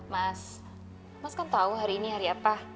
mas mas kan tahu hari ini hari apa